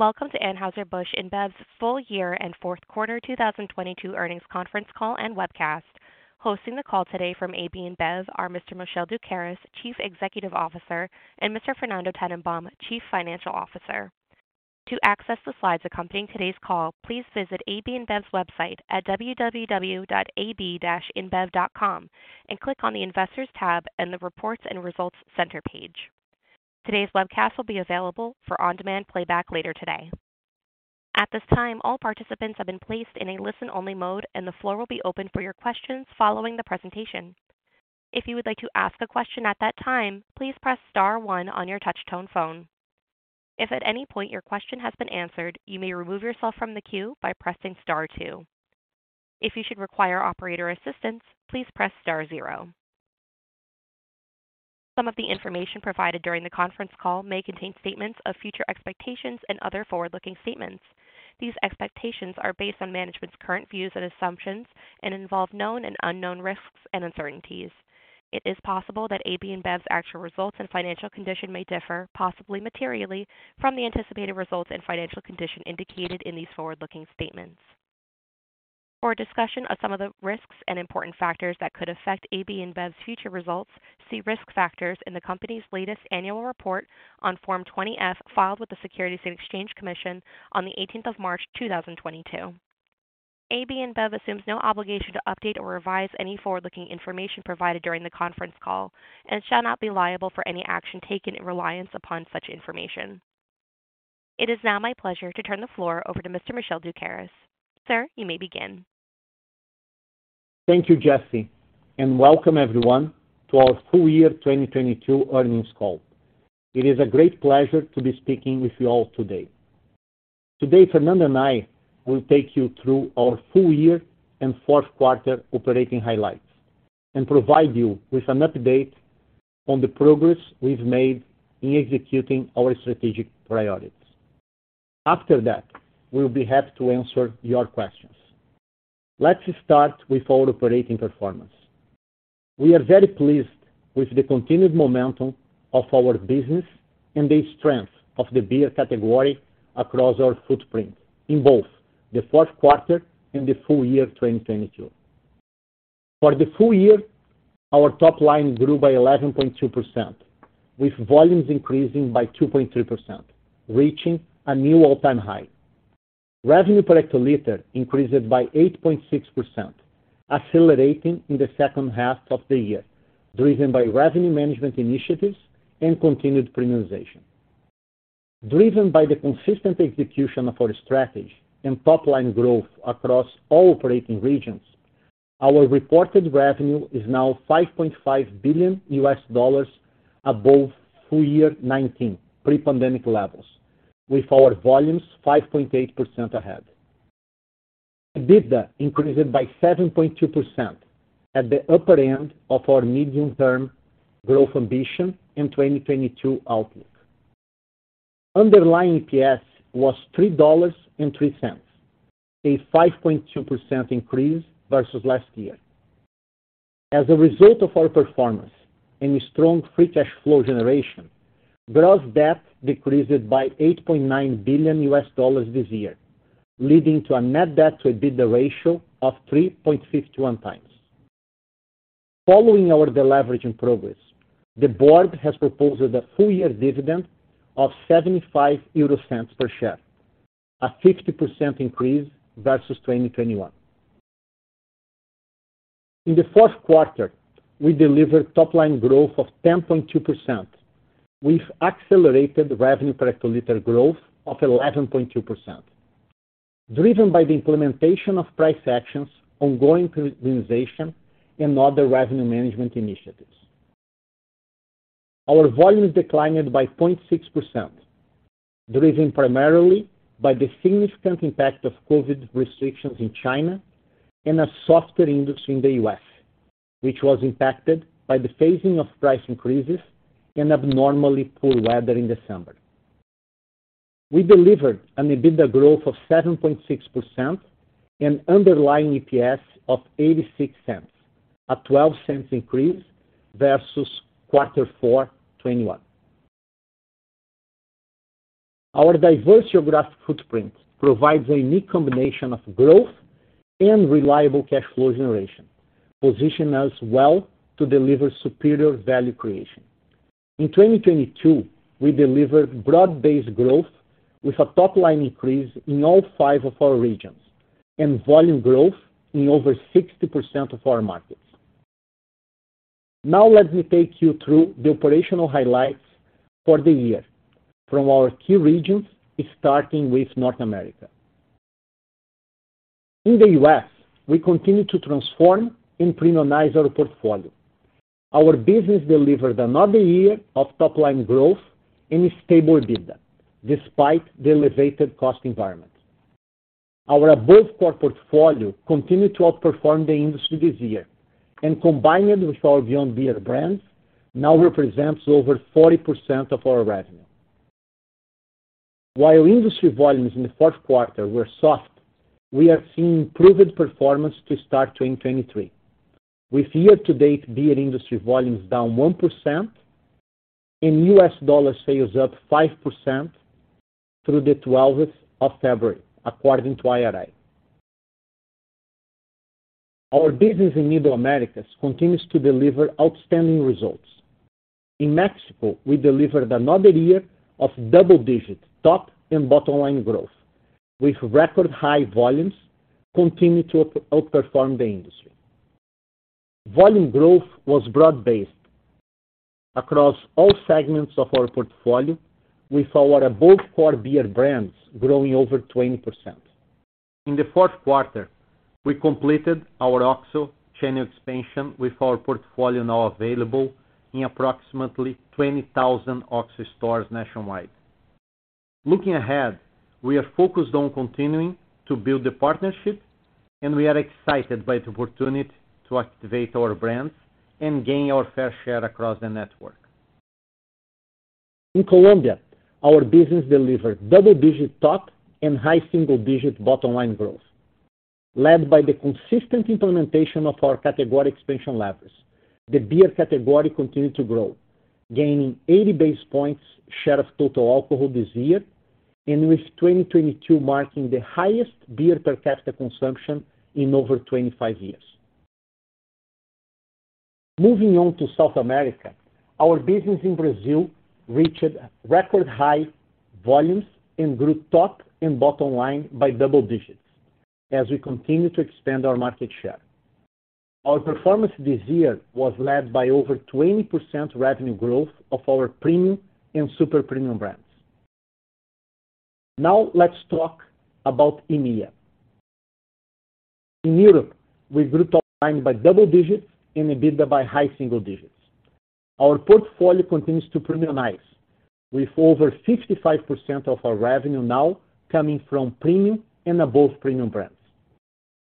Welcome to Anheuser-Busch InBev's Full Year and Fourth Quarter 2022 Earnings Conference Call and Webcast. Hosting the call today from AB InBev are Mr. Michel Doukeris, Chief Executive Officer, and Mr. Fernando Tennenbaum, Chief Financial Officer. To access the slides accompanying today's call, please visit AB InBev's website at www.ab-inbev.com and click on the Investors tab and the Reports and Results Center page. Today's webcast will be available for on-demand playback later today. At this time, all participants have been placed in a listen-only mode, and the floor will be open for your questions following the presentation. If you would like to ask a question at that time, please press star one on your touch tone phone. If at any point your question has been answered, you may remove yourself from the queue by pressing star two. If you should require operator assistance, please press star zero. Some of the information provided during the conference call may contain statements of future expectations and other forward-looking statements. These expectations are based on management's current views and assumptions and involve known and unknown risks and uncertainties. It is possible that AB InBev's actual results and financial condition may differ, possibly materially, from the anticipated results and financial condition indicated in these forward-looking statements. For a discussion of some of the risks and important factors that could affect AB InBev's future results, see Risk Factors in the company's latest annual report on Form 20-F filed with the Securities and Exchange Commission on the 18th of March 2022. AB InBev assumes no obligation to update or revise any forward-looking information provided during the conference call and shall not be liable for any action taken in reliance upon such information. It is now my pleasure to turn the floor over to Mr. Michel Doukeris. Sir, you may begin. Thank you, Jesse, welcome everyone to our full year 2022 earnings call. It is a great pleasure to be speaking with you all today. Today, Fernando and I will take you through our full year and fourth quarter operating highlights and provide you with an update on the progress we've made in executing our strategic priorities. After that, we'll be happy to answer your questions. Let's start with our operating performance. We are very pleased with the continued momentum of our business and the strength of the beer category across our footprint in both the fourth quarter and the full year 2022. For the full year, our top line grew by 11.2%, with volumes increasing by 2.3%, reaching a new all-time high. Revenue per hectoliter increased by 8.6%, accelerating in the second half of the year, driven by revenue management initiatives and continued premiumization. Driven by the consistent execution of our strategy and top-line growth across all operating regions, our reported revenue is now $5.5 billion above full year 2019 pre-pandemic levels, with our volumes 5.8% ahead. EBITDA increased by 7.2% at the upper end of our medium-term growth ambition in 2022 outlook. Underlying EPS was $3.03, a 5.2% increase versus last year. As a result of our performance and strong free cash flow generation, gross debt decreased by $8.9 billion this year, leading to a net debt to EBITDA ratio of 3.51x. Following our deleveraging progress, the board has proposed a full-year dividend of 0.75 per share, a 50% increase versus 2021. In the fourth quarter, we delivered top line growth of 10.2%. We've accelerated revenue per hectoliter growth of 11.2%, driven by the implementation of price actions, ongoing premiumization, and other revenue management initiatives. Our volumes declined by 0.6%, driven primarily by the significant impact of COVID restrictions in China and a softer industry in the U.S., which was impacted by the phasing of price increases and abnormally poor weather in December. We delivered an EBITDA growth of 7.6% and underlying EPS of 0.86, a 0.12 increase versus quarter four, 2021. Our diverse geographic footprint provides a unique combination of growth and reliable cash flow generation, positioning us well to deliver superior value creation. In 2022, we delivered broad-based growth with a top-line increase in all five of our regions and volume growth in over 60% of our markets. Let me take you through the operational highlights for the year from our key regions, starting with North America. In the U.S., we continue to transform and premiumize our portfolio. Our business delivered another year of top-line growth and stable EBITDA, despite the elevated cost environment. Our above core portfolio continued to outperform the industry this year and combined with our Beyond Beer brands now represents over 40% of our revenue. While industry volumes in the fourth quarter were soft, we are seeing improved performance to start 2023, with year-to-date beer industry volumes down 1% and U.S. dollar sales up 5% through the 12th of February, according to IRI. Our business in Middle Americas continues to deliver outstanding results. In Mexico, we delivered another year of double-digit top and bottom line growth, with record high volumes continue to outperform the industry. Volume growth was broad-based across all segments of our portfolio with our above core beer brands growing over 20%. In the fourth quarter, we completed our OXXO channel expansion with our portfolio now available in approximately 20,000 OXXO stores nationwide. We are excited by the opportunity to activate our brands and gain our fair share across the network. In Colombia, our business delivered double-digit top and high single-digit bottom line growth, led by the consistent implementation of our category expansion levers. The beer category continued to grow, gaining 80 basis points share of total alcohol this year, with 2022 marking the highest beer per capita consumption in over 25 years. Moving on to South America, our business in Brazil reached record high volumes and grew top and bottom line by double digits as we continue to expand our market share. Our performance this year was led by over 20% revenue growth of our premium and super premium brands. Let's talk about EMEA. In Europe, we grew top line by double digits and EBITDA by high single digits. Our portfolio continues to premiumize with over 55% of our revenue now coming from premium and above premium brands.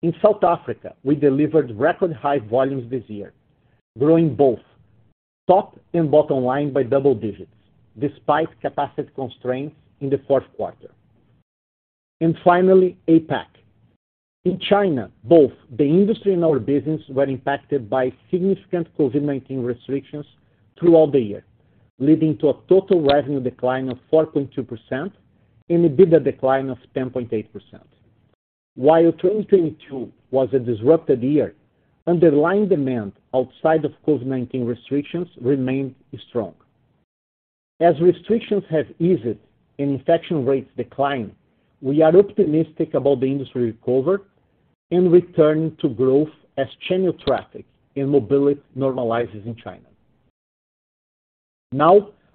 In South Africa, we delivered record high volumes this year, growing both top and bottom line by double digits despite capacity constraints in the fourth quarter. Finally, APAC. In China, both the industry and our business were impacted by significant COVID-19 restrictions throughout the year, leading to a total revenue decline of 4.2% and EBITDA decline of 10.8%. While 2022 was a disrupted year, underlying demand outside of COVID-19 restrictions remained strong. As restrictions have eased and infection rates decline, we are optimistic about the industry recover and return to growth as channel traffic and mobility normalizes in China.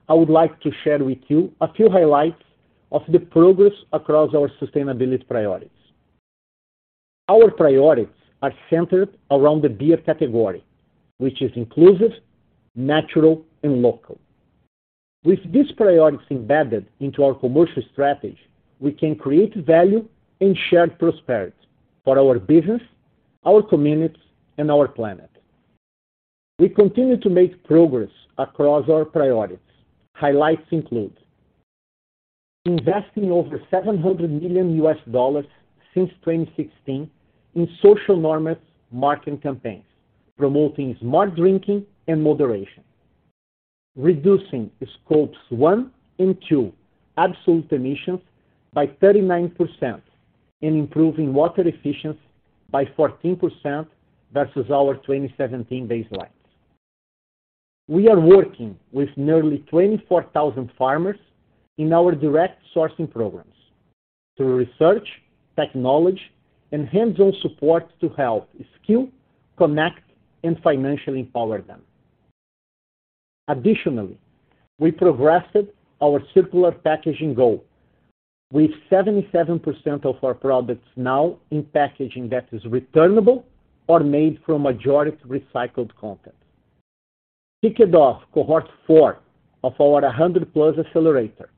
I would like to share with you a few highlights of the progress across our sustainability priorities. Our priorities are centered around the beer category, which is inclusive, natural, and local. With these priorities embedded into our commercial strategy, we can create value and shared prosperity for our business, our communities, and our planet. We continue to make progress across our priorities. Highlights include investing over $700 million since 2016 in social norms marketing campaigns, promoting smart drinking and moderation. Reducing Scopes 1 and 2 absolute emissions by 39% and improving water efficiency by 14% versus our 2017 baselines. We are working with nearly 24,000 farmers in our direct sourcing programs through research, technology, and hands-on support to help skill, connect, and financially empower them. We progressed our circular packaging goal with 77% of our products now in packaging that is returnable or made from majority recycled content. Kicked off Cohort 4 of our 100+ Accelerator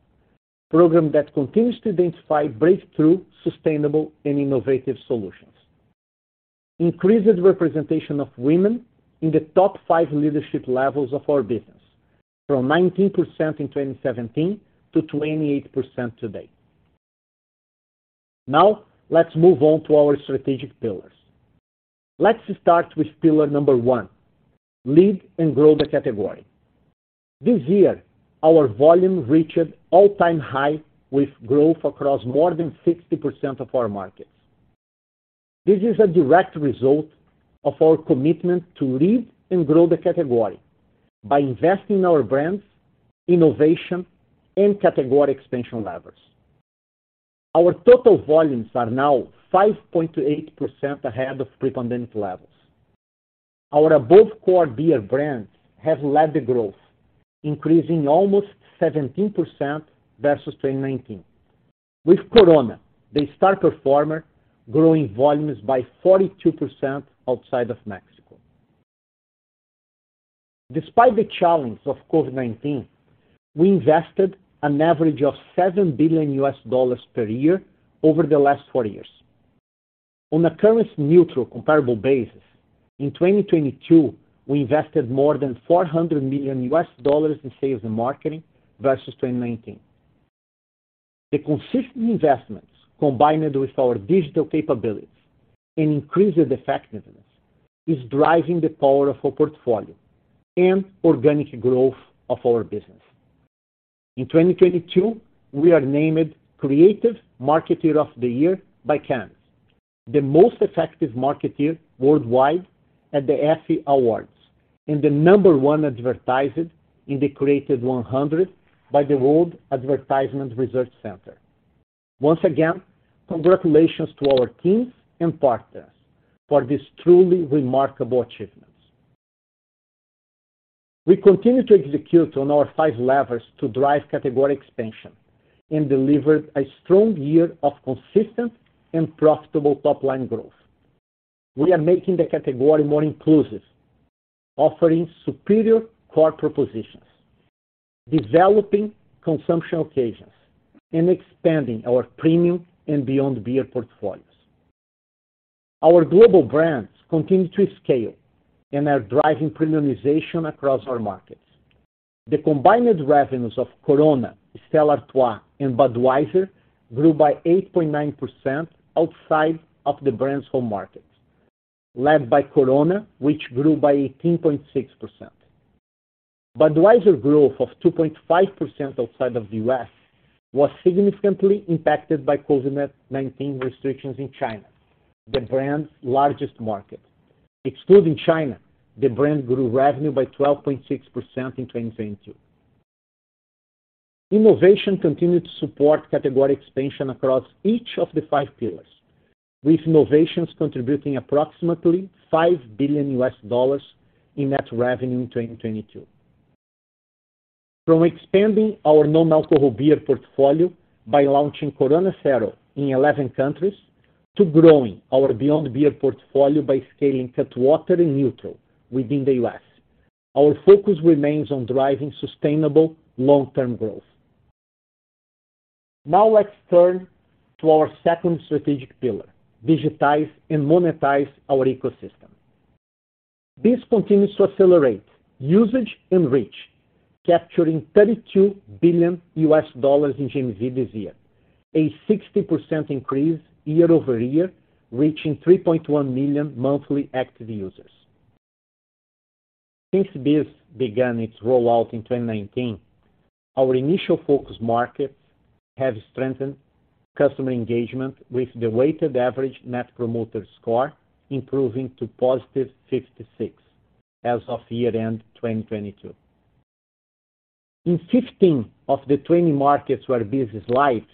program that continues to identify breakthrough, sustainable, and innovative solutions. Increased representation of women in the top five leadership levels of our business from 19% in 2017 to 28% today. Let's move on to our strategic pillars. Let's start with pillar number one, lead and grow the category. This year, our volume reached all-time high with growth across more than 60% of our markets. This is a direct result of our commitment to lead and grow the category by investing in our brands, innovation, and category expansion levers. Our total volumes are now 5.8% ahead of pre-pandemic levels. Our above core beer brands have led the growth, increasing almost 17% versus 2019. With Corona, the star performer, growing volumes by 42% outside of Mexico. Despite the challenge of COVID-19, we invested an average of $7 billion per year over the last four years. On a currency neutral comparable basis, in 2022, we invested more than $400 million in sales and marketing versus 2019. The consistent investments, combined with our digital capabilities and increased effectiveness, is driving the Power of our portfolio and organic growth of our business. In 2022, we are named Creative Marketer of the Year by Cannes, the most effective marketer worldwide at the Effie Awards and the number one advertiser in the Creative 100 by the World Advertising Research Center. Once again, congratulations to our teams and partners for this truly remarkable achievements. We continue to execute on our five levers to drive category expansion and delivered a strong year of consistent and profitable top-line growth. We are making the category more inclusive, offering superior core propositions, developing consumption occasions, and expanding our premium and Beyond Beer portfolios. Our global brands continue to scale and are driving premiumization across our markets. The combined revenues of Corona, Stella Artois, and Budweiser grew by 8.9% outside of the brand's home market, led by Corona, which grew by 18.6%. Budweiser growth of 2.5% outside of the U.S. was significantly impacted by COVID-19 restrictions in China, the brand's largest market. Excluding China, the brand grew revenue by 12.6% in 2022. Innovation continued to support category expansion across each of the five pillars, with innovations contributing approximately $5 billion in net revenue in 2022. From expanding our non-alcohol beer portfolio by launching Corona Cero in 11 countries, to growing our Beyond Beer portfolio by scaling Cutwater and NÜTRL within the U.S., our focus remains on driving sustainable long-term growth. Let's turn to our second strategic pillar, digitize and monetize our ecosystem. This continues to accelerate usage and reach, capturing $32 billion in GMV this year, a 60% increase year-over-year, reaching 3.1 million monthly active users. Since BEES began its rollout in 2019, our initial focus markets have strengthened customer engagement with the weighted average Net Promoter Score improving to positive 66 as of year-end 2022. In 15 of the 20 markets where BEES is live,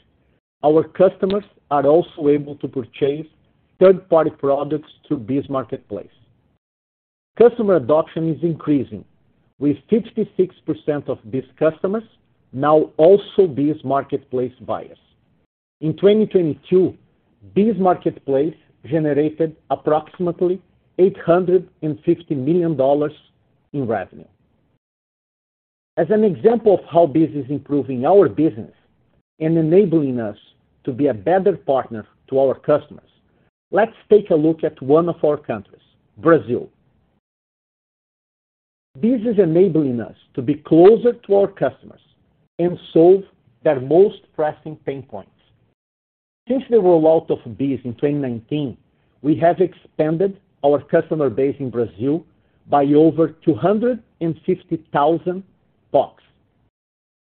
our customers are also able to purchase third-party products through BEES Marketplace. Customer adoption is increasing, with 56% of BEES customers now also BEES Marketplace buyers. In 2022, BEES Marketplace generated approximately $850 million in revenue. As an example of how BEES is improving our business and enabling us to be a better partner to our customers, let's take a look at one of our countries, Brazil. BEES is enabling us to be closer to our customers and solve their most pressing pain points. Since the rollout of BEES in 2019, we have expanded our customer base in Brazil by over 250,000 box,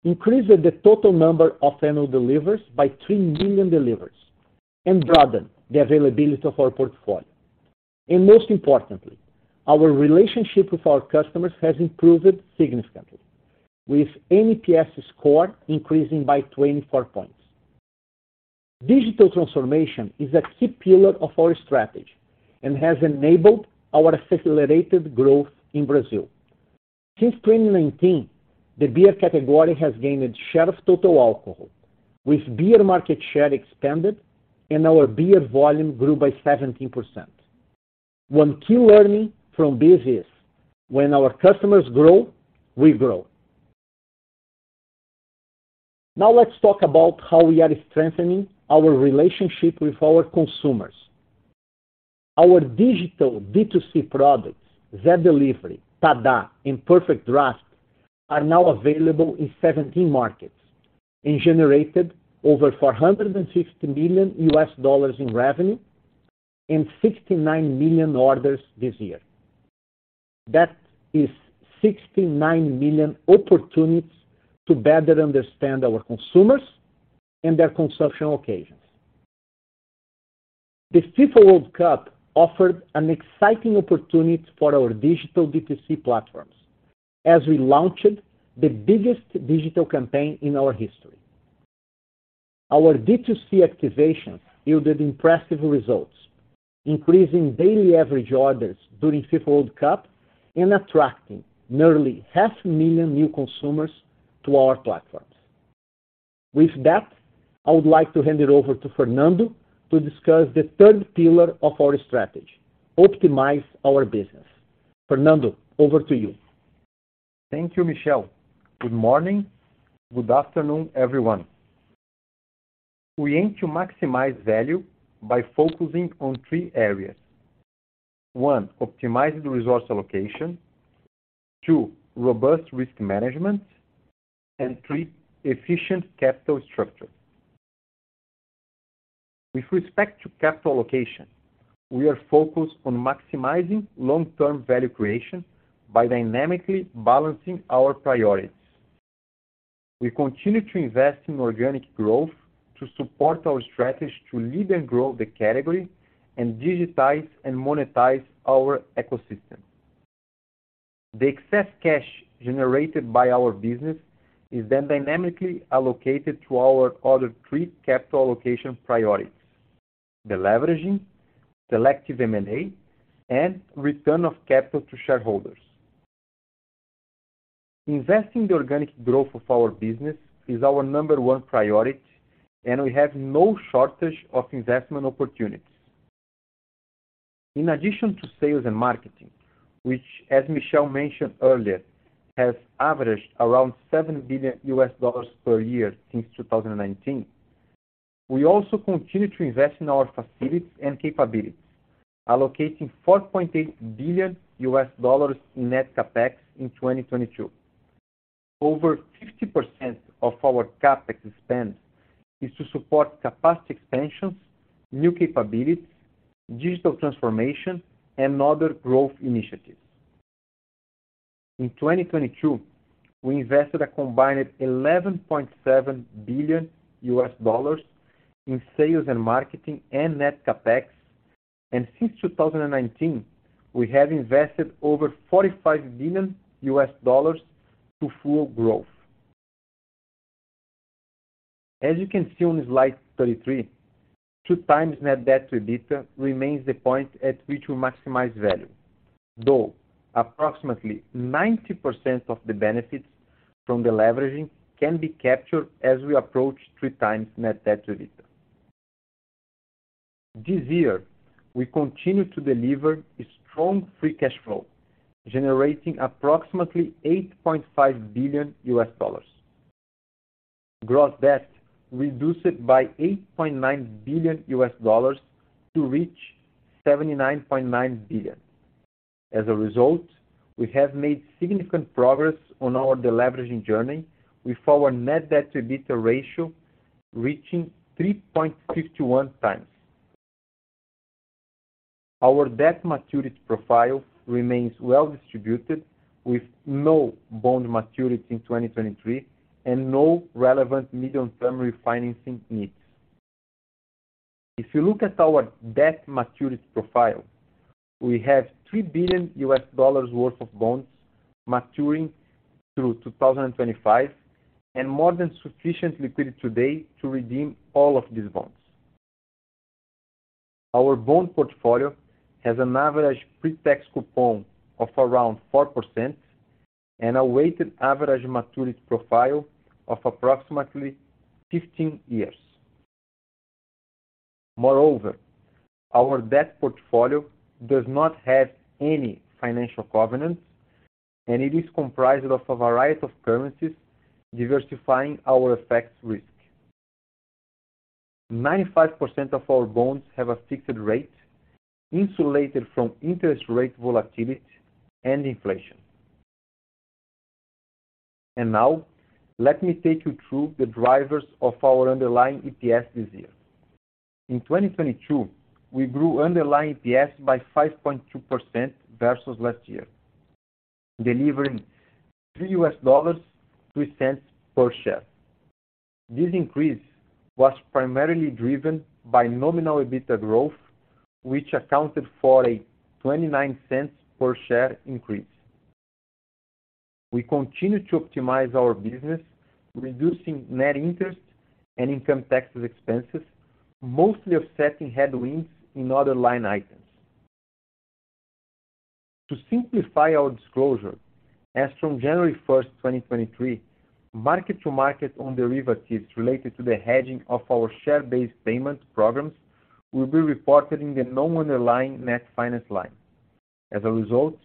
increased the total number of annual delivers by 3 million delivers, and broadened the availability of our portfolio. Most importantly, our relationship with our customers has improved significantly with NPS score increasing by 24 points. Digital transformation is a key pillar of our strategy and has enabled our accelerated growth in Brazil. Since 2019, the beer category has gained a share of total alcohol, with beer market share expanded and our beer volume grew by 17%. One key learning from BEES is when our customers grow, we grow. Let's talk about how we are strengthening our relationship with our consumers. Our digital DTC products, Zé Delivery, TaDa Delivery, and PerfectDraft, are now available in 17 markets and generated over $450 million in revenue and 69 million orders this year. That is 69 million opportunities to better understand our consumers and their consumption occasions. The FIFA World Cup offered an exciting opportunity for our digital DTC platforms as we launched the biggest digital campaign in our history. Our DTC activation yielded impressive results, increasing daily average orders during FIFA World Cup and attracting nearly half a million new consumers to our platforms. With that, I would like to hand it over to Fernando to discuss the third pillar of our strategy, optimize our business. Fernando, over to you. Thank you, Michel. Good morning. Good afternoon, everyone. We aim to maximize value by focusing on three areas. One, optimized resource allocation. two, robust risk management. three, efficient capital structure. With respect to capital allocation, we are focused on maximizing long-term value creation by dynamically balancing our priorities. We continue to invest in organic growth to support our strategy to lead and grow the category and digitize and monetize our ecosystem. The excess cash generated by our business is then dynamically allocated to our other three capital allocation priorities: deleveraging, selective M&A, and return of capital to shareholders. Investing the organic growth of our business is our number one priority, and we have no shortage of investment opportunities. In addition to sales and marketing, which as Michel mentioned earlier, has averaged around $7 billion per year since 2019, we also continue to invest in our facilities and capabilities, allocating $4.8 billion in net CapEx in 2022. Over 50% of our CapEx spend is to support capacity expansions, new capabilities, digital transformation, and other growth initiatives. In 2022, we invested a combined $11.7 billion in sales and marketing and net CapEx. Since 2019, we have invested over $45 billion to fuel growth. As you can see on slide 33, 2x net debt to EBITDA remains the point at which we maximize value. Though approximately 90% of the benefits from deleveraging can be captured as we approach 3x net debt to EBITDA. This year, we continue to deliver strong free cash flow, generating approximately $8.5 billion. Gross debt reduced by $8.9 billion to reach $79.9 billion. We have made significant progress on our deleveraging journey with our net debt to EBITDA ratio reaching 3.51x. Our debt maturity profile remains well distributed, with no bond maturity in 2023, and no relevant medium-term refinancing needs. If you look at our debt maturity profile, we have $3 billion worth of bonds maturing through 2025, and more than sufficient liquidity today to redeem all of these bonds. Our bond portfolio has an average pre-tax coupon of around 4% and a weighted average maturity profile of approximately 15 years. Moreover, our debt portfolio does not have any financial covenants, and it is comprised of a variety of currencies diversifying our effects risk. 95% of our bonds have a fixed rate insulated from interest rate volatility and inflation. Now, let me take you through the drivers of our underlying EPS this year. In 2022, we grew underlying EPS by 5.2% versus last year, delivering $3.03 per share. This increase was primarily driven by nominal EBITDA growth, which accounted for a $0.29 per share increase. We continue to optimize our business, reducing net interest and income taxes expenses, mostly offsetting headwinds in other line items. To simplify our disclosure, as from January 1st, 2023, mark to market on derivatives related to the hedging of our share-based payment programs will be reported in the non-underlying net finance line. As a result,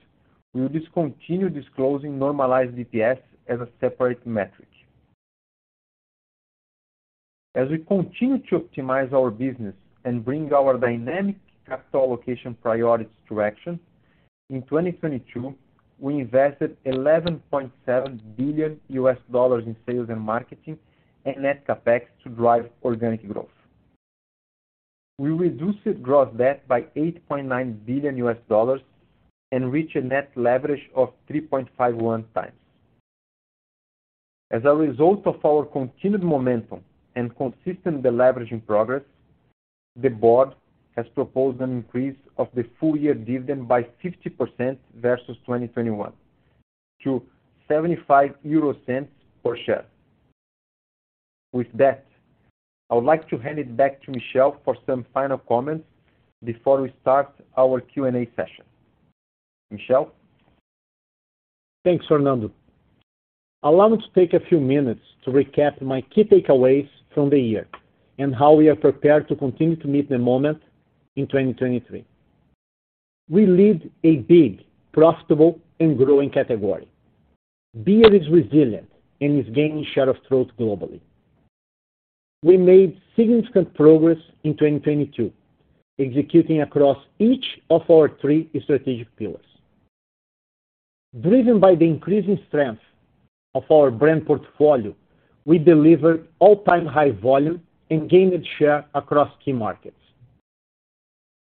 we will discontinue disclosing normalized EPS as a separate metric. As we continue to optimize our business and bring our dynamic capital allocation priorities to action, in 2022, we invested $11.7 billion in sales and marketing and net CapEx to drive organic growth. We reduced gross debt by $8.9 billion and reached a net leverage of 3.51x. As a result of our continued momentum and consistent deleveraging progress, the board has proposed an increase of the full year dividend by 50% versus 2021 to 0.75 per share. With that, I would like to hand it back to Michel for some final comments before we start our Q&A session. Michel? Thanks, Fernando. Allow me to take a few minutes to recap my key takeaways from the year and how we are prepared to continue to meet the moment in 2023. We lead a big, profitable, and growing category. Beer is resilient and is gaining share of throat globally. We made significant progress in 2022, executing across each of our three strategic pillars. Driven by the increasing strength of our brand portfolio, we delivered all-time high volume and gained share across key markets.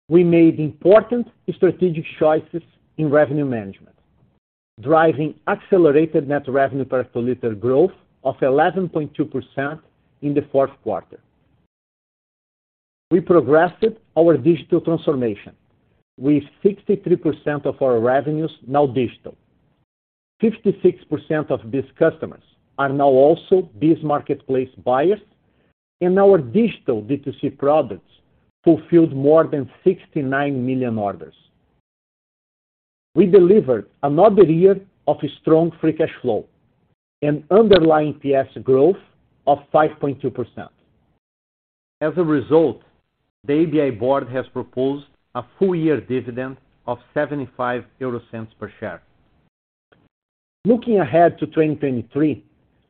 We made important strategic choices in revenue management, driving accelerated net revenue per liter growth of 11.2% in the fourth quarter. We progressed our digital transformation with 63% of our revenues now digital. 56% of BEES customers are now also BEES Marketplace buyers, and our digital DTC products fulfilled more than 69 million orders. We delivered another year of strong free cash flow and underlying EPS growth of 5.2%. As a result, the ABI board has proposed a full-year dividend of 0.75 per share. Looking ahead to 2023,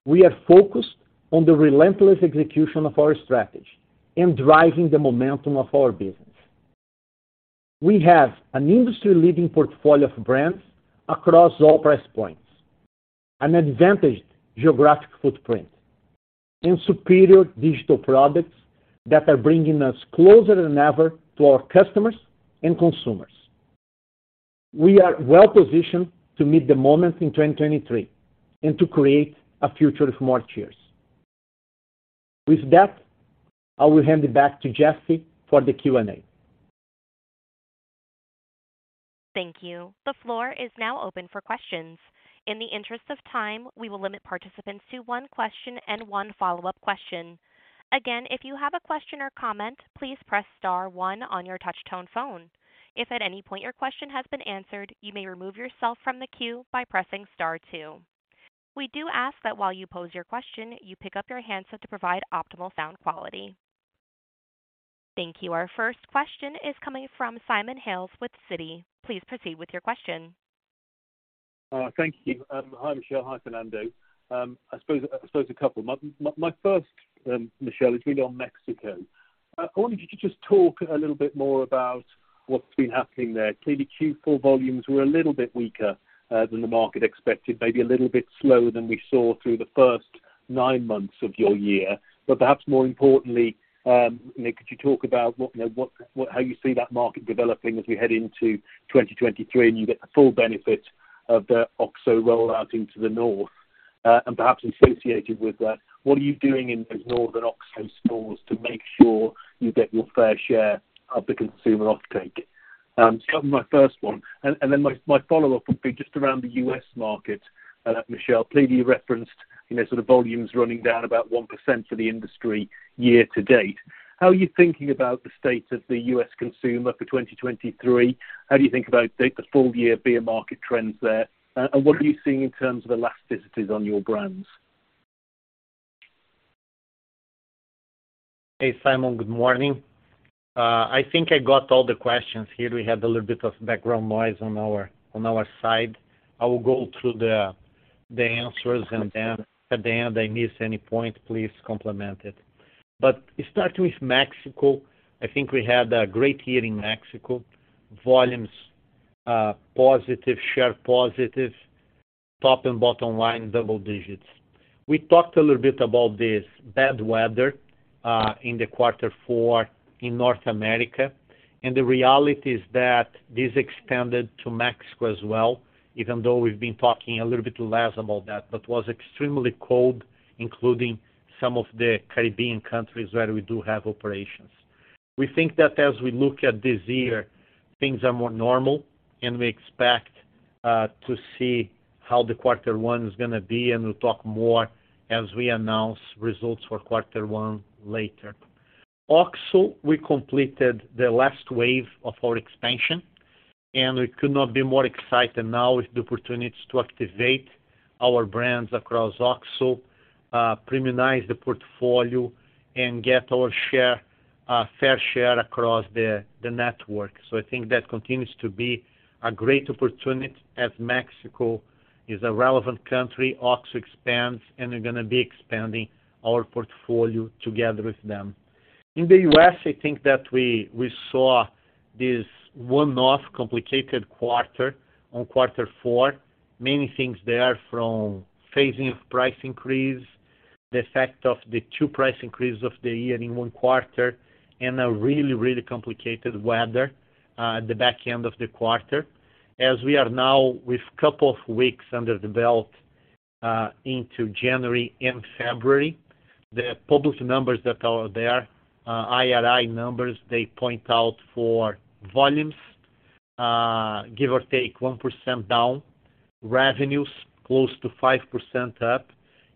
we are focused on the relentless execution of our strategy and driving the momentum of our business. We have an industry-leading portfolio of brands across all price points, an advantaged geographic footprint, and superior digital products that are bringing us closer than ever to our customers and consumers. We are well positioned to meet the moment in 2023 and to create a future for more cheers. With that, I will hand it back to Jesse for the Q&A. Thank you. The floor is now open for questions. In the interest of time, we will limit participants to one question and one follow-up question. Again, if you have a question or comment, please press star one on your touch tone phone. If at any point your question has been answered, you may remove yourself from the queue by pressing star two. We do ask that while you pose your question, you pick up your handset to provide optimal sound quality. Thank you. Our first question is coming from Simon Hales with Citi. Please proceed with your question. Thank you. Hi, Michel. Hi, Fernando. I suppose a couple. My first, Michel, is really on Mexico. I wonder if you could just talk a little bit more about what's been happening there. Clearly, Q4 volumes were a little bit weaker than the market expected, maybe a little bit slower than we saw through the first nine months of your year. Perhaps more importantly, could you talk about what, you know, how you see that market developing as we head into 2023, and you get the full benefit of the OXXO rollout into the north, and perhaps associated with that, what are you doing in those northern OXXO stores to make sure you get your fair share of the consumer offtake? That was my first one. Then my follow-up would be just around the U.S. market. Michel, clearly, you referenced, you know, sort of volumes running down about 1% for the industry year to date. How are you thinking about the state of the U.S. consumer for 2023? How do you think about the full year beer market trends there? What are you seeing in terms of elasticities on your brands? Hey, Simon. Good morning. I think I got all the questions. Here we had a little bit of background noise on our, on our side. I will go through the answers and then at the end, I miss any point, please complement it. Starting with Mexico, I think we had a great year in Mexico. Volumes, positive, share positive, top and bottom line, double digits. We talked a little bit about this bad weather, in the quarter four in North America, and the reality is that this expanded to Mexico as well, even though we've been talking a little bit less about that. Was extremely cold, including some of the Caribbean countries where we do have operations. We think that as we look at this year, things are more normal and we expect to see how the quarter one is going to be, and we'll talk more as we announce results for quarter one later. OXXO, we completed the last wave of our expansion, and we could not be more excited now with the opportunity to activate our brands across OXXO, premiumize the portfolio and get our fair share across the network. I think that continues to be a great opportunity as Mexico is a relevant country, OXXO expands, and they're going to be expanding our portfolio together with them. In the U.S., I think that we saw this one-off complicated quarter on quarter four. Many things there from phasing of price increase, the effect of the two price increases of the year in one quarter, and a really, really complicated weather at the back end of the quarter. As we are now with couple of weeks under the belt into January and February, the public numbers that are there, IRI numbers, they point out for volumes, give or take 1% down, revenues close to 5% up,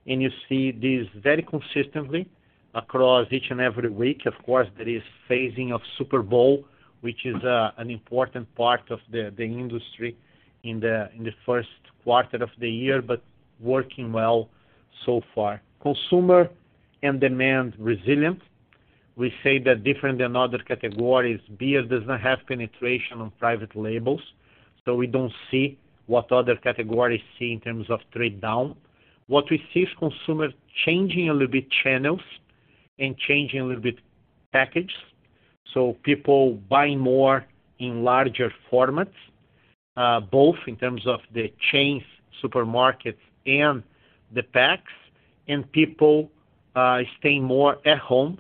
and you see this very consistently across each and every week. Of course, there is phasing of Super Bowl, which is an important part of the industry in the, in the first quarter of the year, but working well so far. Consumer and demand resilient. We say that different than other categories, beer does not have penetration on private labels, so we don't see what other categories see in terms of trade-down. What we see is consumers changing a little bit channels and changing a little bit package. People buying more in larger formats, both in terms of the chains, supermarkets and the packs, and people staying more at home.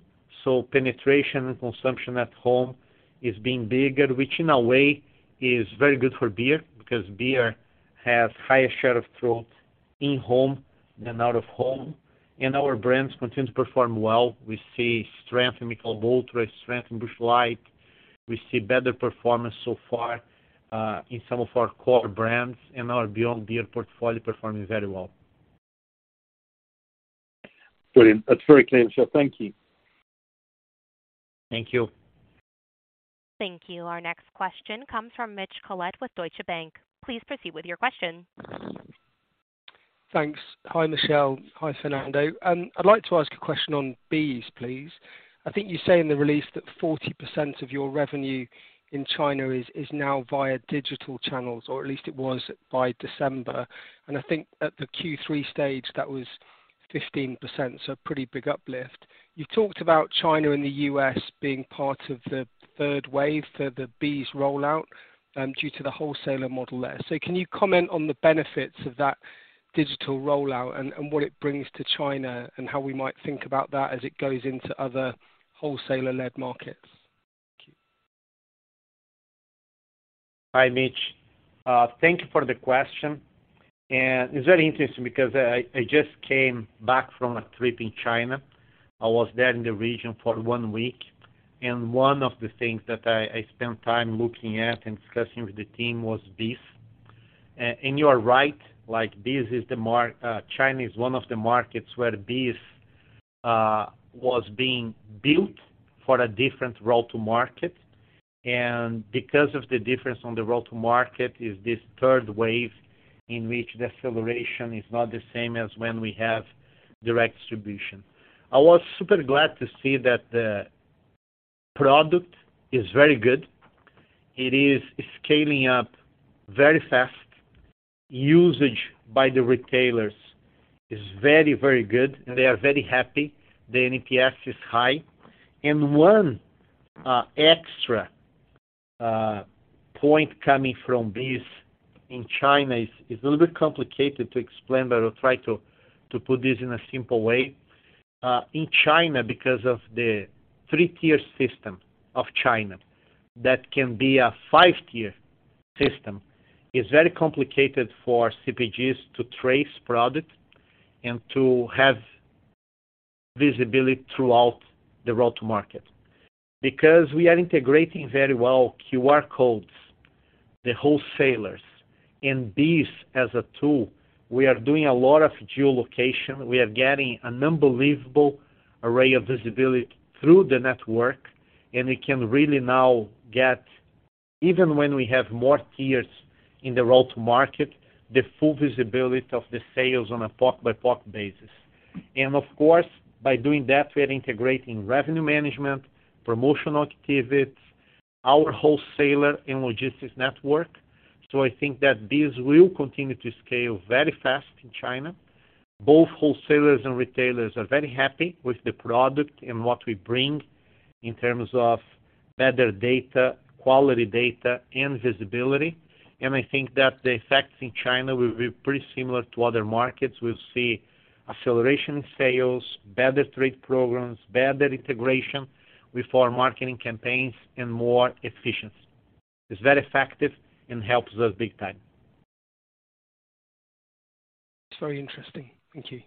Penetration and consumption at home is being bigger, which in a way is very good for beer because beer has higher share of throat in home than out of home, and our brands continue to perform well. We see strength in Michelob ULTRA, strength in Busch Light. We see better performance so far in some of our core brands and our Beyond Beer portfolio performing very well. Brilliant. That's very clear, sir. Thank you. Thank you. Thank you. Our next question comes from Mitch Collett with Deutsche Bank. Please proceed with your question. Thanks. Hi, Michel. Hi, Fernando. I'd like to ask a question on BEES, please. I think you say in the release that 40% of your revenue in China is now via digital channels, or at least it was by December. I think at the Q3 stage that was 15%, so pretty big uplift. You talked about China and the U.S. being part of the third wave for the BEES rollout due to the wholesaler model there. Can you comment on the benefits of that digital rollout and what it brings to China and how we might think about that as it goes into other wholesaler-led markets? Thank you. Hi, Mitch. Thank you for the question. It's very interesting because I just came back from a trip in China. I was there in the region for one week, and one of the things that I spent time looking at and discussing with the team was BEES. You are right, like, BEES is the mar-- China is one of the markets where BEES was being built for a different route to market. Because of the difference on the route to market is this third wave in which the acceleration is not the same as when we have direct distribution. I was super glad to see that the product is very good. It is scaling up very fast. Usage by the retailers is very, very good, and they are very happy. The NPS is high. One extra point coming from BEES in China is a little bit complicated to explain, but I'll try to put this in a simple way. In China, because of the three-tier system of China, that can be a five-tier system. It's very complicated for CPGs to trace product and to have visibility throughout the route to market. We are integrating very well QR codes, the wholesalers, and BEES as a tool, we are doing a lot of geolocation. We are getting an unbelievable array of visibility through the network, and we can really now get, even when we have more tiers in the route to market, the full visibility of the sales on a POC by POC basis. Of course, by doing that, we are integrating revenue management, promotional activities, our wholesaler and logistics network. I think that BEES will continue to scale very fast in China. Both wholesalers and retailers are very happy with the product and what we bring in terms of better data, quality data and visibility. I think that the effects in China will be pretty similar to other markets. We'll see acceleration in sales, better trade programs, better integration with our marketing campaigns and more efficiency. It's very effective and helps us big time. It's very interesting. Thank you.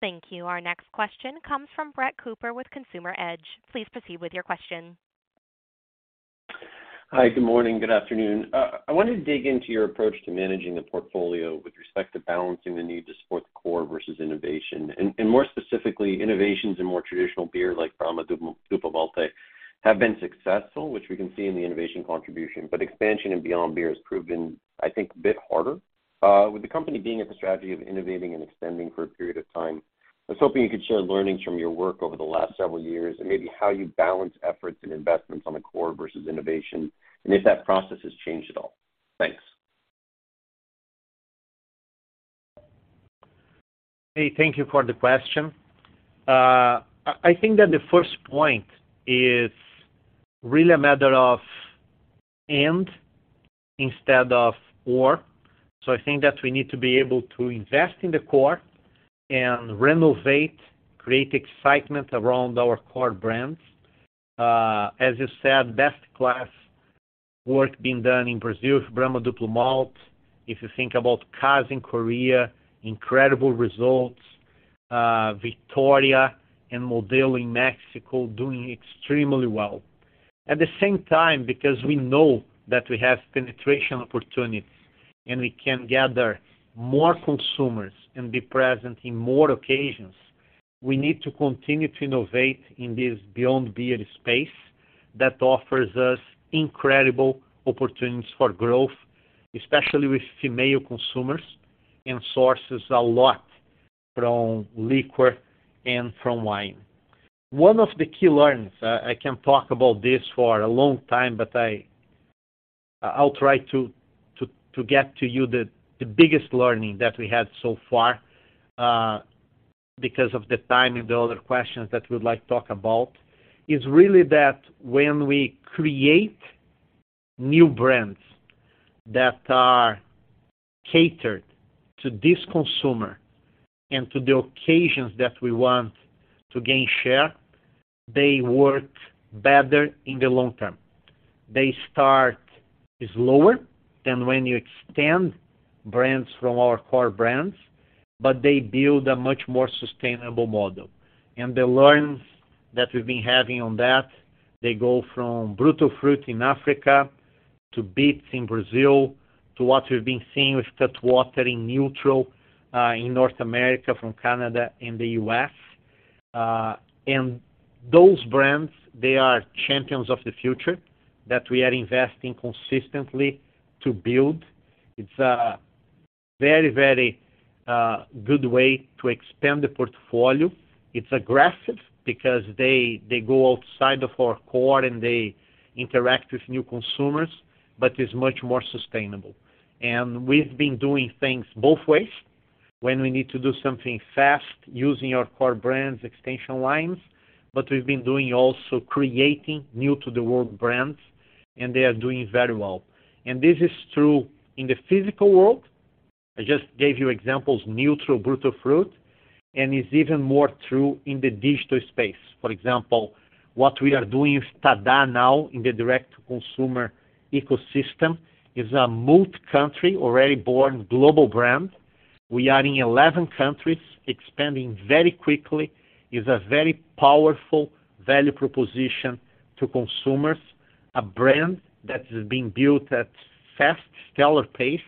Thank you. Our next question comes from Brett Cooper with Consumer Edge. Please proceed with your question. Hi. Good morning. Good afternoon. I wanted to dig into your approach to managing the portfolio with respect to balancing the need to support the core versus innovation, and more specifically, innovations in more traditional beer like Brahma Duplo Malte have been successful, which we can see in the innovation contribution. Expansion in Beyond Beer has proven, I think, a bit harder. With the company being at the strategy of innovating and extending for a period of time, I was hoping you could share learnings from your work over the last several years and maybe how you balance efforts and investments on the core versus innovation and if that process has changed at all. Thanks. Hey, thank you for the question. I think that the first point is really a matter of and instead of or. I think that we need to be able to invest in the core and renovate, create excitement around our core brands. As you said, best-class work being done in Brazil with Brahma Duplo Malte. If you think about Cass in Korea, incredible results. Victoria and Modelo in Mexico doing extremely well. At the same time, because we know that we have penetration opportunities, and we can gather more consumers and be present in more occasions, we need to continue to innovate in this Beyond Beer space that offers us incredible opportunities for growth. Especially with female consumers and sources a lot from liquor and from wine. One of the key learnings, I can talk about this for a long time, but I'll try to get to you the biggest learning that we had so far, because of the time and the other questions that we would like to talk about, is really that when we create new brands that are catered to this consumer and to the occasions that we want to gain share, they work better in the long term. They start slower than when you extend brands from our core brands, but they build a much more sustainable model. The learnings that we've been having on that, they go from Brutal Fruit in Africa to BEATS in Brazil, to what we've been seeing with Cutwater in NÜTRL in North America, from Canada and the U.S.. Those brands, they are champions of the future that we are investing consistently to build. It's a very, very good way to expand the portfolio. It's aggressive because they go outside of our core and they interact with new consumers, but it's much more sustainable. We've been doing things both ways. When we need to do something fast using our core brands extension lines, but we've been doing also creating new-to-the-world brands, and they are doing very well. This is true in the physical world. I just gave you examples, NÜTRL, Brutal Fruit, and it's even more true in the digital space. For example, what we are doing with TaDa now in the direct-to-consumer ecosystem is a multi-country, already born global brand. We are in 11 countries, expanding very quickly. It's a very powerful value proposition to consumers, a brand that is being built at fast, stellar pace.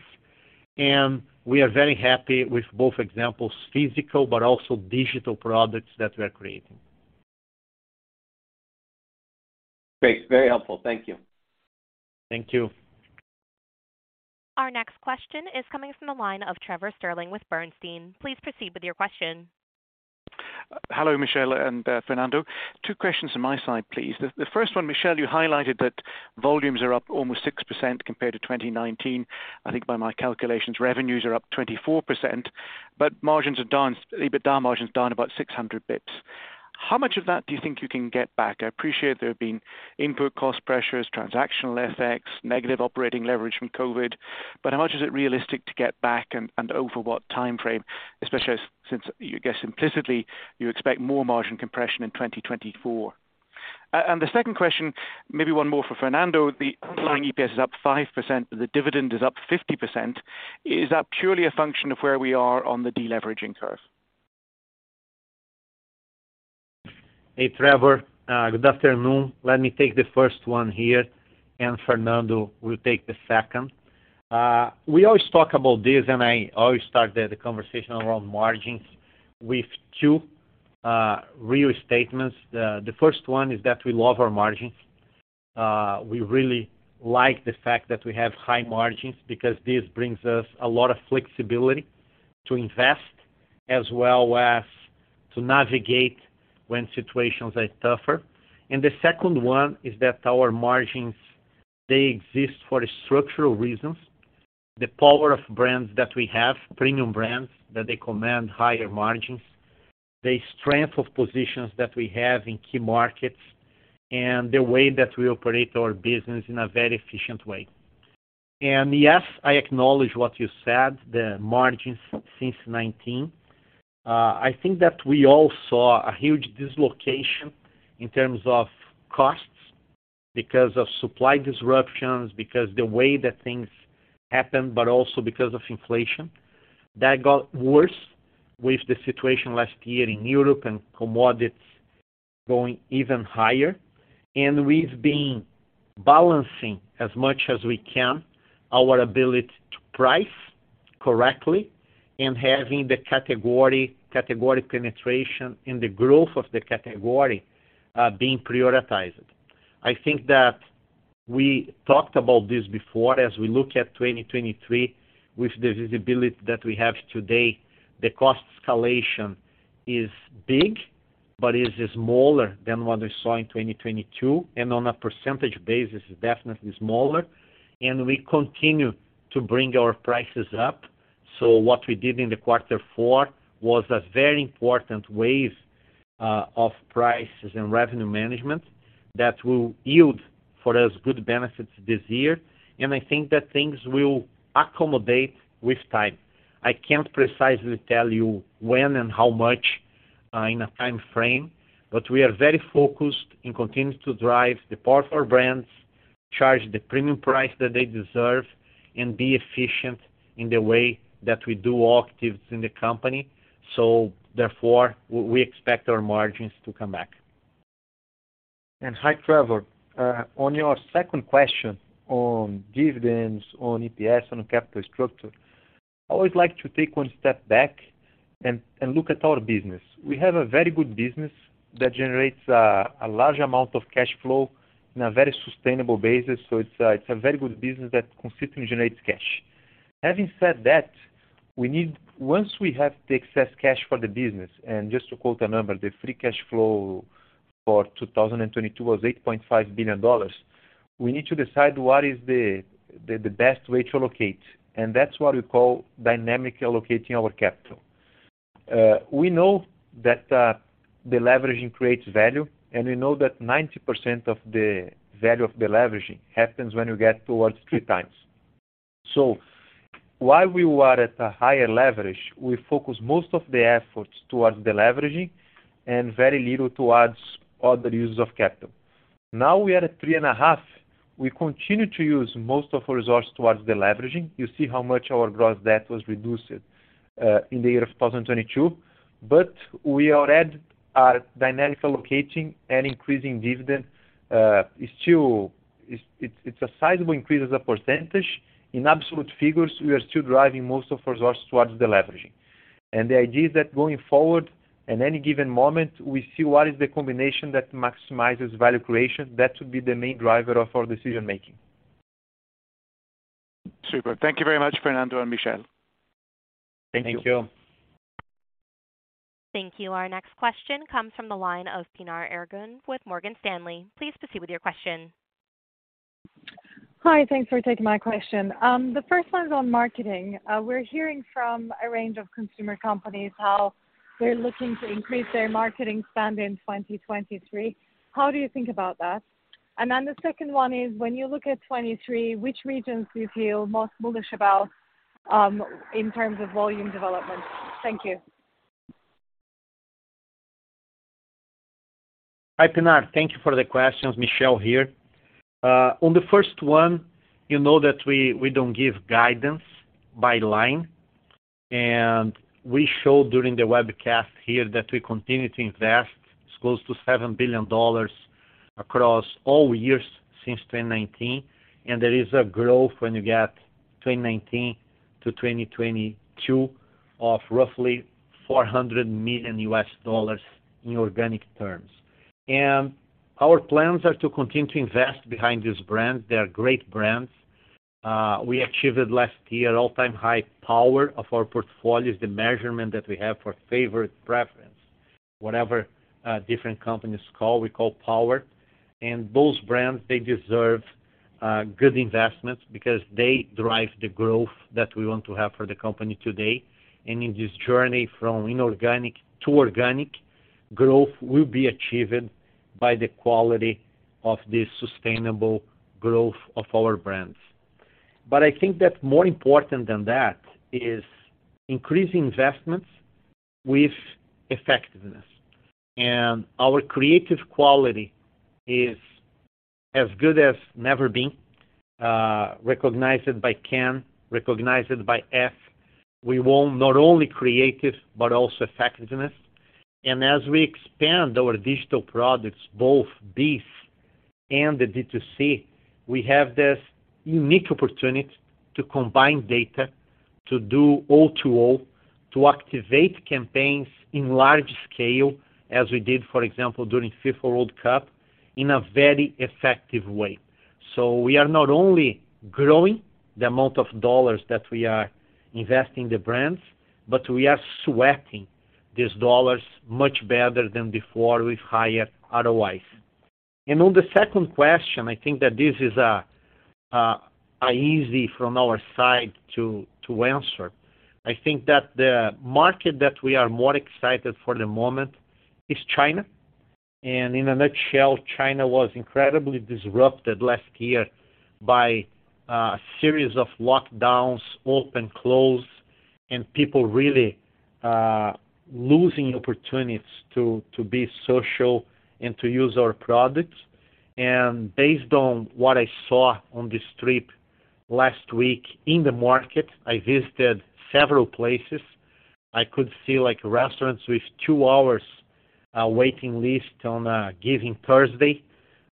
We are very happy with both examples, physical but also digital products that we're creating. Great. Very helpful. Thank you. Thank you. Our next question is coming from the line of Trevor Stirling with Bernstein. Please proceed with your question. Hello, Michel and Fernando. two questions on my side, please. The first one, Michel, you highlighted that volumes are up almost 6% compared to 2019. I think by my calculations, revenues are up 24%, but EBITDA margin's down about 600 basis points. How much of that do you think you can get back? I appreciate there have been input cost pressures, transactional FX, negative operating leverage from COVID, but how much is it realistic to get back and over what time frame, especially since you guess implicitly you expect more margin compression in 2024. The second question, maybe one more for Fernando. The underlying EPS is up 5%, but the dividend is up 50%. Is that purely a function of where we are on the deleveraging curve? Hey, Trevor. Good afternoon. Let me take the first one here. Fernando will take the second. We always talk about this, I always start the conversation around margins with two real statements. The first one is that we love our margins. We really like the fact that we have high margins because this brings us a lot of flexibility to invest as well as to navigate when situations are tougher. The second one is that our margins, they exist for structural reasons. The power of brands that we have, premium brands, that they command higher margins, the strength of positions that we have in key markets, and the way that we operate our business in a very efficient way. Yes, I acknowledge what you said, the margins since 19. I think that we all saw a huge dislocation in terms of costs because of supply disruptions, because the way that things happened, but also because of inflation. That got worse with the situation last year in Europe and commodities going even higher. We've been balancing as much as we can our ability to price correctly and having the category penetration and the growth of the category being prioritized. I think that we talked about this before as we look at 2023 with the visibility that we have today, the cost escalation is big, but is smaller than what we saw in 2022, and on a percentage basis, definitely smaller. We continue to bring our prices up. What we did in the quarter four was a very important wave, of prices and revenue management that will yield for us good benefits this year. I think that things will accommodate with time. I can't precisely tell you when and how much, in a time frame, but we are very focused in continuing to drive the power of our brands, charge the premium price that they deserve, and be efficient in the way that we do all activities in the company. Therefore, we expect our margins to come back. Hi, Trevor. on your second question on dividends, on EPS, on capital structure. I always like to take one step back and look at our business. We have a very good business that generates a large amount of cash flow in a very sustainable basis. It's a very good business that consistently generates cash. Having said that, once we have the excess cash for the business, just to quote a number, the free cash flow for 2022 was $8.5 billion. We need to decide what is the best way to allocate, that's what we call dynamically allocating our capital. We know that deleveraging creates value, we know that 90% of the value of deleveraging happens when you get towards 3x. While we were at a higher leverage, we focus most of the efforts towards deleveraging and very little towards other uses of capital. Now we are at 3.5. We continue to use most of our resource towards deleveraging. You see how much our gross debt was reduced in the year of 2022. We already are dynamically allocating and increasing dividend. It's a sizable increase as a percentage. In absolute figures, we are still driving most of our resource towards deleveraging. The idea is that going forward, at any given moment, we see what is the combination that maximizes value creation. That would be the main driver of our decision-making. Super. Thank you very much, Fernando and Michel. Thank you. Thank you. Thank you. Our next question comes from the line of Pinar Ergun with Morgan Stanley. Please proceed with your question. Hi, thanks for taking my question. The first one's on marketing. We're hearing from a range of consumer companies how they're looking to increase their marketing spend in 2023. How do you think about that? The second one is, when you look at 2023, which regions do you feel most bullish about in terms of volume development? Thank you. Hi, Pinar. Thank you for the questions. Michel here. On the first one, you know that we don't give guidance by line. We showed during the webcast here that we continue to invest. It's close to $7 billion across all years since 2019. There is a growth when you get 2019 to 2022 of roughly $400 million in organic terms. Our plans are to continue to invest behind these brands. They are great brands. We achieved last year all-time high Power of our portfolios, the measurement that we have for favorite preference. Whatever, different companies call, we call Power. Those brands, they deserve good investments because they drive the growth that we want to have for the company today. In this journey from inorganic to organic, growth will be achieved by the quality of the sustainable growth of our brands. I think that more important than that is increasing investments with effectiveness. Our creative quality is as good as never been, recognized by Cannes, recognized by Effie. We want not only creative, but also effectiveness. As we expand our digital products, both BEES and the DTC, we have this unique opportunity to combine data, to do O2O, to activate campaigns in large scale, as we did, for example, during FIFA World Cup, in a very effective way. We are not only growing the amount of dollars that we are investing in the brands, but we are sweating these dollars much better than before with higher ROIs. On the second question, I think that this is easy from our side to answer. I think that the market that we are more excited for the moment is China. In a nutshell, China was incredibly disrupted last year by a series of lockdowns, open, close, and people really losing opportunities to be social and to use our products. Based on what I saw on this trip last week in the market, I visited several places. I could see like restaurants with two hours waiting list on a given Thursday.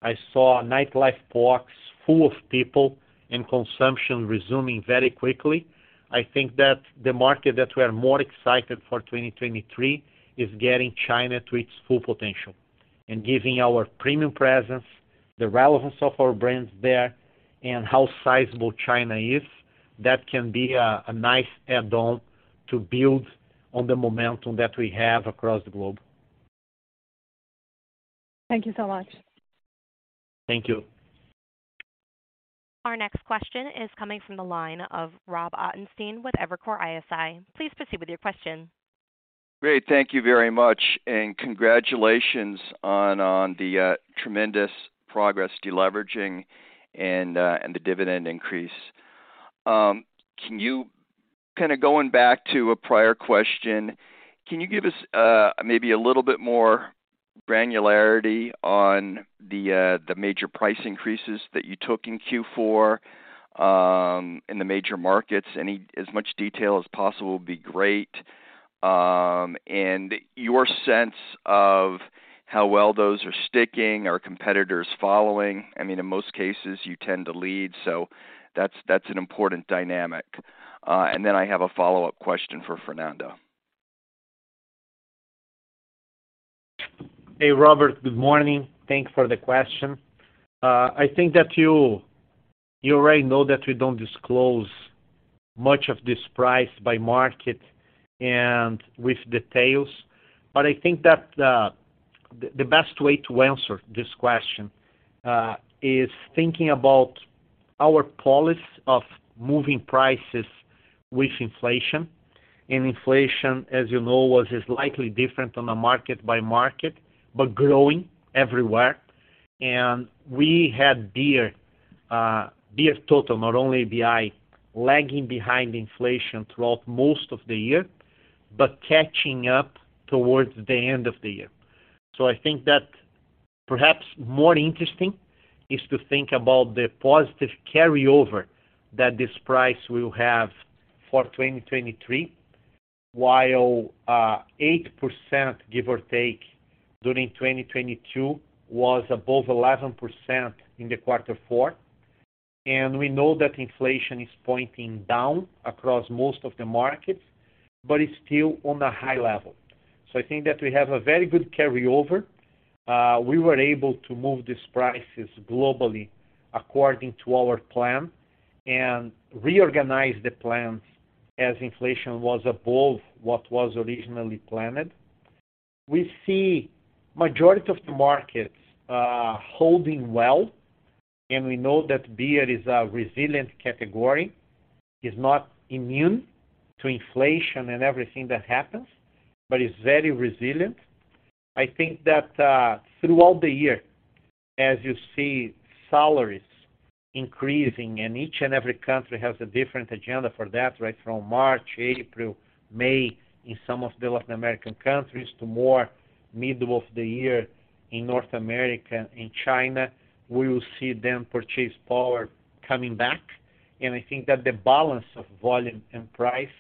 I saw nightlife parks full of people and consumption resuming very quickly. I think that the market that we're more excited for 2023 is getting China to its full potential. Giving our premium presence, the relevance of our brands there and how sizable China is, that can be a nice add-on to build on the momentum that we have across the globe. Thank you so much. Thank you. Our next question is coming from the line of Rob Ottenstein with Evercore ISI. Please proceed with your question. Great. Thank you very much. Congratulations on the tremendous progress deleveraging and the dividend increase. Kinda going back to a prior question, can you give us maybe a little bit more granularity on the major price increases that you took in Q4 in the major markets? As much detail as possible would be great. Your sense of how well those are sticking, are competitors following? I mean, in most cases you tend to lead, so that's an important dynamic. I have a follow-up question for Fernando. Hey, Robert. Good morning. Thanks for the question. I think that you already know that we don't disclose much of this price by market and with details, but I think that the best way to answer this question is thinking about our policy of moving prices with inflation. Inflation, as you know, was just slightly different on the market by market, but growing everywhere. We had beer total, not only ABI, lagging behind inflation throughout most of the year, but catching up towards the end of the year. I think that perhaps more interesting is to think about the positive carryover that this price will have for 2023, while 8%, give or take, during 2022 was above 11% in the quarter four. We know that inflation is pointing down across most of the markets, but it's still on a high level. I think that we have a very good carryover. We were able to move these prices globally according to our plan and reorganize the plans as inflation was above what was originally planned. We see majority of the markets holding well, and we know that beer is a resilient category. It's not immune to inflation and everything that happens, but it's very resilient. I think that, throughout the year, as you see salaries increasing, and each and every country has a different agenda for that, right? From March, April, May in some of the Latin American countries to more middle of the year in North America and China, we will see them purchase power coming back. I think that the balance of volume and price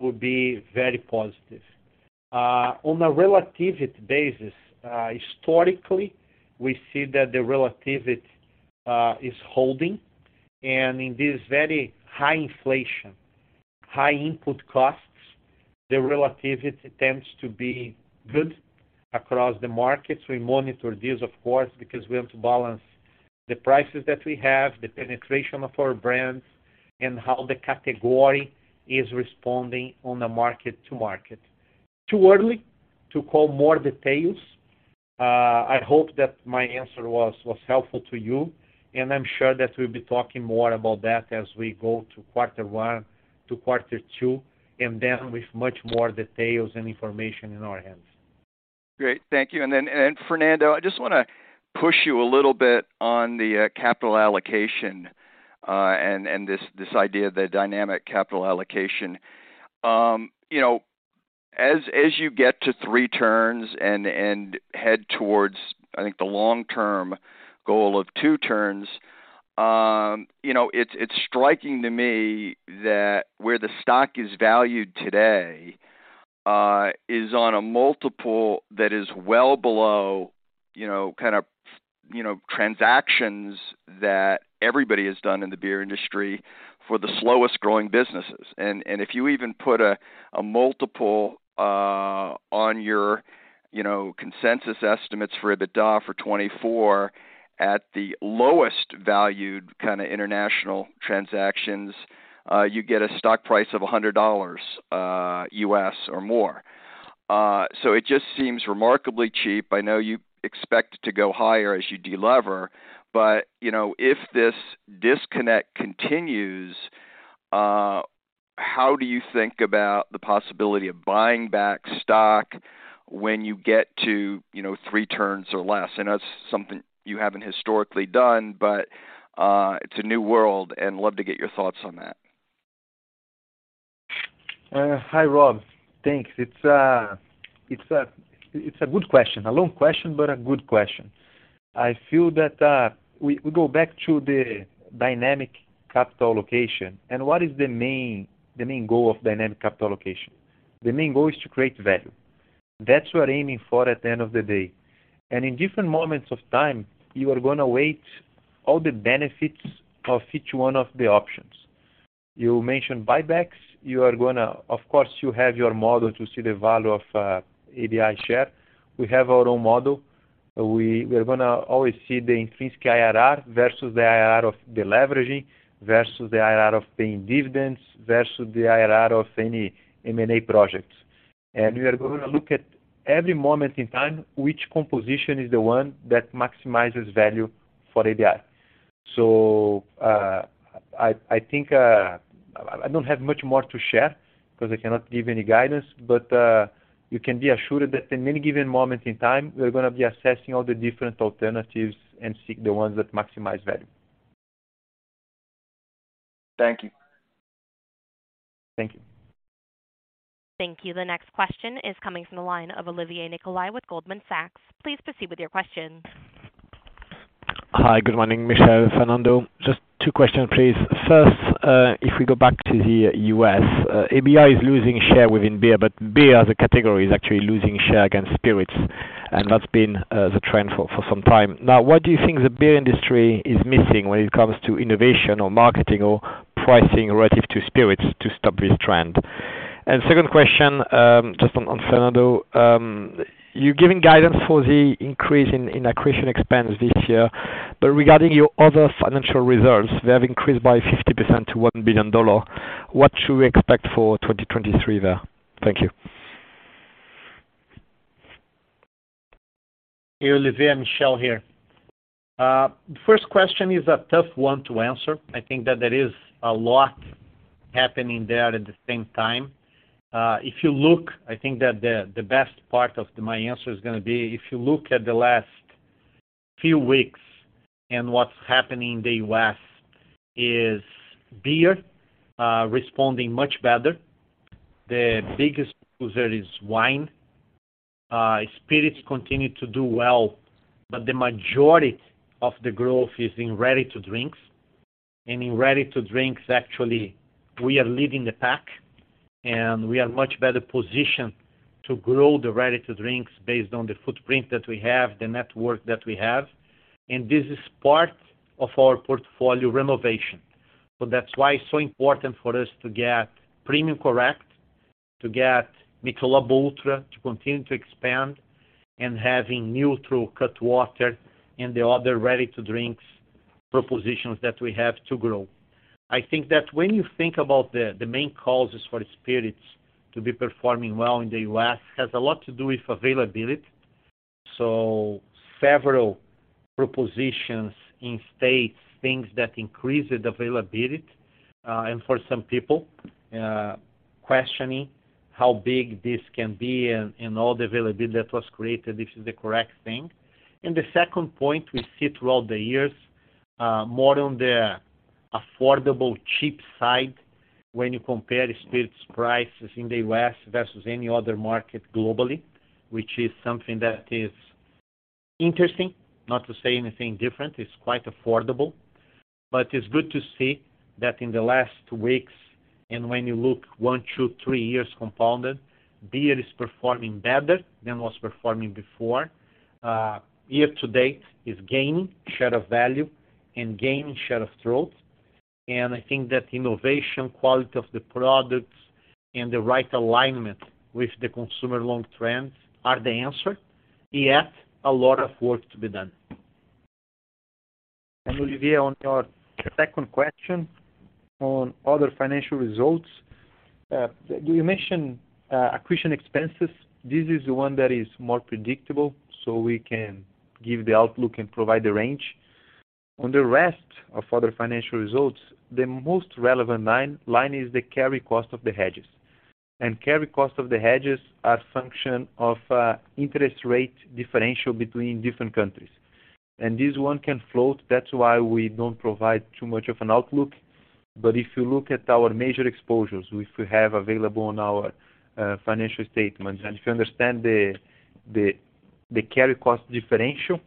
will be very positive. On a relativity basis, historically, we see that the relativity is holding. In this very high inflation, high input costs, the relativity tends to be good across the markets. We monitor this, of course, because we have to balance the prices that we have, the penetration of our brands, and how the category is responding on the mark to market. Too early to call more details. I hope that my answer was helpful to you, and I'm sure that we'll be talking more about that as we go to quarter one to quarter two, and then with much more details and information in our hands. Great. Thank you. Fernando, I just wanna push you a little bit on the capital allocation and this idea of the dynamic capital allocation. You know, as you get to three turns and head towards, I think, the long-term goal of two turns, you know, it's striking to me that where the stock is valued today is on a multiple that is well below, you know, kind of, you know, transactions that everybody has done in the beer industry for the slowest growing businesses. If you even put a multiple on your, you know, consensus estimates for EBITDA for 2024 at the lowest valued kinda international transactions, you get a stock price of $100 U.S. or more. It just seems remarkably cheap. I know you expect to go higher as you de-lever, but, you know, if this disconnect continues, how do you think about the possibility of buying back stock when you get to, you know, three turns or less? I know it's something you haven't historically done, but, it's a new world and love to get your thoughts on that. Hi, Rob. Thanks. It's a good question. A long question, but a good question. I feel that we go back to the dynamic capital allocation and what is the main goal of dynamic capital allocation. The main goal is to create value. That's what we're aiming for at the end of the day. In different moments of time, you are gonna wait all the benefits of each one of the options. You mentioned buybacks. Of course, you have your model to see the value of ABI share. We have our own model. We are gonna always see the intrinsic IRR versus the IRR of deleveraging, versus the IRR of paying dividends, versus the IRR of any M&A projects. We are gonna look at every moment in time, which composition is the one that maximizes value for ABI. I think I don't have much more to share 'cause I cannot give any guidance. You can be assured that in any given moment in time, we're gonna be assessing all the different alternatives and seek the ones that maximize value. Thank you. Thank you. Thank you. The next question is coming from the line of Olivier Nicolaï with Goldman Sachs. Please proceed with your questions. Hi, good morning, Michel, Fernando. Just two questions, please. First, if we go back to the U.S., ABI is losing share within beer, but beer as a category is actually losing share against spirits, and that's been the trend for some time. Now, what do you think the beer industry is missing when it comes to innovation or marketing or pricing relative to spirits to stop this trend? Second question, just on Fernando. You're giving guidance for the increase in accretion expense this year. Regarding your other financial results, they have increased by 50% to $1 billion. What should we expect for 2023 there? Thank you. Hey, Olivier, Michel here. The first question is a tough one to answer. I think that there is a lot happening there at the same time. If you look, I think that the best part of my answer is gonna be, if you look at the last few weeks and what's happening in the U.S. is beer, responding much better. The biggest loser is wine. Spirits continue to do well, but the majority of the growth is in ready to drinks. In ready to drinks, actually, we are leading the pack, and we are much better positioned to grow the ready to drinks based on the footprint that we have, the network that we have. This is part of our portfolio renovation. That's why it's so important for us to get premium correct, to get Michelob ULTRA to continue to expand, and having new through Cutwater and the other ready to drinks propositions that we have to grow. I think that when you think about the main causes for spirits to be performing well in the U.S., has a lot to do with availability. Several propositions in states, things that increase the availability, and for some people, questioning how big this can be and all the availability that was created, if it's the correct thing. The second point we see throughout the years, more on the affordable cheap side when you compare the spirits prices in the U.S. versus any other market globally, which is something that is interesting. Not to say anything different, it's quite affordable. It's good to see that in the last weeks, and when you look one to three years compounded, beer is performing better than was performing before. Year to date is gaining share of value and gaining share of throat, and I think that innovation, quality of the products and the right alignment with the consumer long trends are the answer. A lot of work to be done. Olivier, on your second question on other financial results. You mentioned accretion expenses. This is the one that is more predictable, so we can give the outlook and provide the range. On the rest of other financial results, the most relevant line is the carry cost of the hedges. Carry cost of the hedges are function of interest rate differential between different countries. This one can float, that's why we don't provide too much of an outlook. If you look at our major exposures, which we have available on our financial statements, and if you understand the carry cost differential,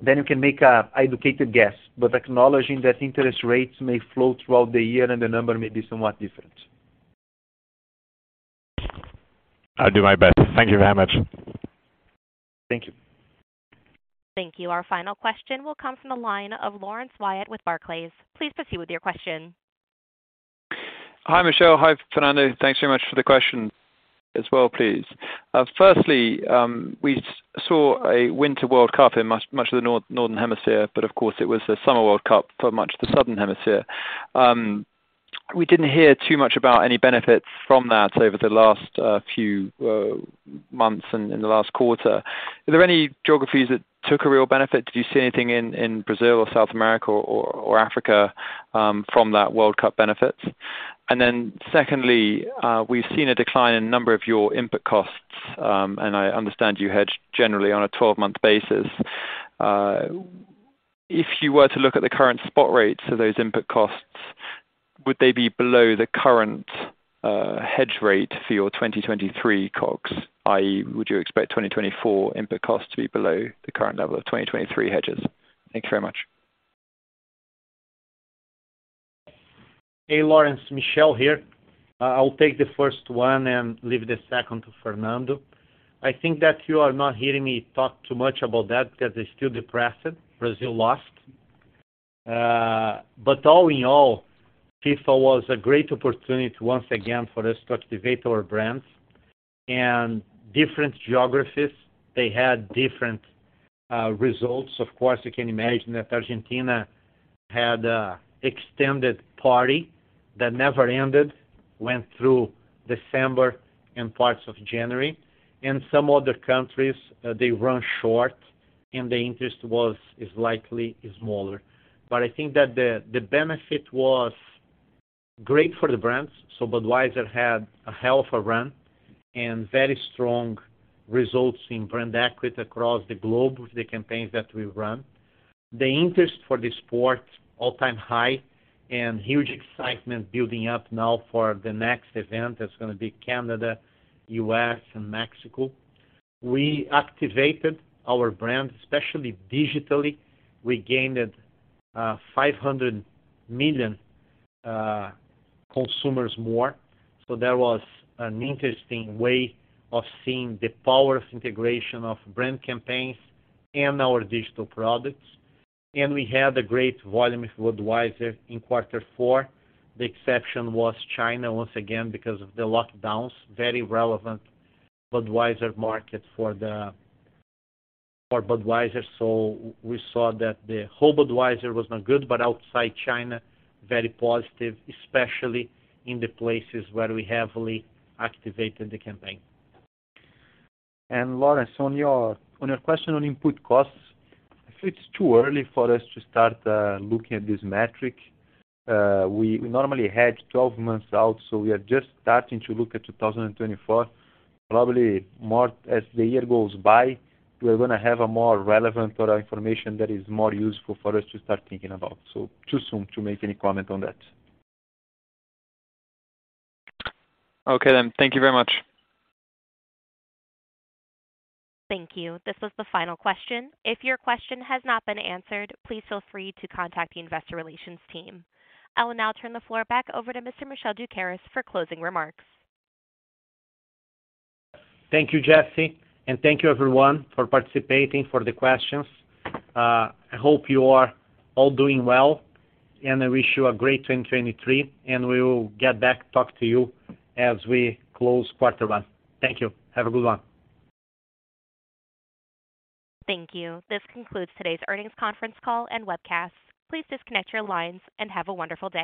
then you can make a educated guess. Acknowledging that interest rates may flow throughout the year and the number may be somewhat different. I'll do my best. Thank you very much. Thank you. Thank you. Our final question will come from the line of Laurence Whyatt with Barclays. Please proceed with your question. Hi, Michel. Hi, Fernando. Thanks very much for the question as well, please. Firstly, we saw a winter World Cup in much of the Northern Hemisphere, but of course, it was the summer World Cup for much of the Southern Hemisphere. We didn't hear too much about any benefits from that over the last few months and in the last quarter. Are there any geographies that took a real benefit? Did you see anything in Brazil or South America or Africa from that World Cup benefits? Secondly, we've seen a decline in a number of your input costs. I understand you hedge generally on a 12-month basis. if you were to look at the current spot rates for those input costs, would they be below the current hedge rate for your 2023 COGS? i.e., would you expect 2024 input costs to be below the current level of 2023 hedges? Thank you very much. Hey, Laurence. Michel here. I'll take the first one and leave the second to Fernando. I think that you are not hearing me talk too much about that because it's still depressing. Brazil lost. All in all, FIFA was a great opportunity once again for us to activate our brands. Different geographies, they had different results. Of course, you can imagine that Argentina had a extended party that never ended, went through December and parts of January. Some other countries, they run short and the interest was, is likely smaller. I think that the benefit was great for the brands. Budweiser had a hell of a run and very strong results in brand equity across the globe with the campaigns that we've run. The interest for the sport all-time high and huge excitement building up now for the next event. That's gonna be Canada, U.S., and Mexico. We activated our brand, especially digitally. We gained 500 million consumers more. That was an interesting way of seeing the power of integration of brand campaigns and our digital products. We had a great volume of Budweiser in quarter four. The exception was China, once again, because of the lockdowns. Very relevant Budweiser market for Budweiser. We saw that the whole Budweiser was not good, but outside China, very positive, especially in the places where we heavily activated the campaign. Laurence, on your question on input costs, I think it's too early for us to start looking at this metric. We normally hedge 12 months out, so we are just starting to look at 2024. Probably more as the year goes by, we're gonna have a more relevant total information that is more useful for us to start thinking about. Too soon to make any comment on that. Okay, then. Thank you very much. Thank you. This was the final question. If your question has not been answered, please feel free to contact the investor relations team. I will now turn the floor back over to Mr. Michel Doukeris for closing remarks. Thank you, Jesse. Thank you everyone for participating, for the questions. I hope you are all doing well, and I wish you a great 2023, and we will get back to talk to you as we close quarter one. Thank you. Have a good one. Thank you. This concludes today's earnings conference call and webcast. Please disconnect your lines and have a wonderful day.